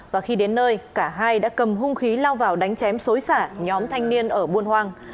và khi đến nơi cả hai đã cầm hung khí lao vào đánh chém xối xả nhóm thanh niên ở buôn hoàng